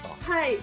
はい。